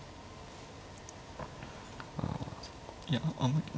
いやあんまり。